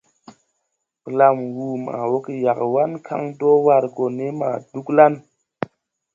Blam wuu ma woge Yagoan kan do war gɔ ne Dugla.